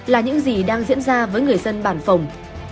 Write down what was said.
là những gì đang diễn ra với người dân bản phòng